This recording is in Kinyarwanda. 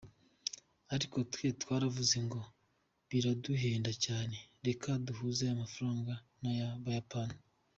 Ariko twe twaravuze ngo biraduhenda cyane, reka duhuze aya mafaranga n’ay’Abayapani.